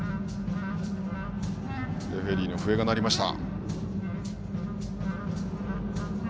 レフリーの笛が鳴りました。